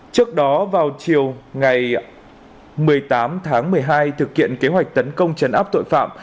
trước đó vào chiều ngày một mươi tám tháng một mươi hai thực hiện kế hoạch tấn công chấn áp tội phạm